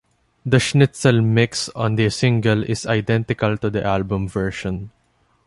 The "Schnitzel Mix" on the single is identical to the album version.